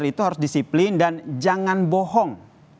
jadi itu harus disiplin dan jangan bohong